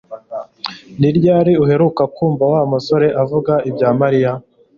Ni ryari uheruka kumva Wa musore avuga ibya Mariya